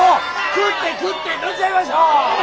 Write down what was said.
食って食って飲んじゃいましょう！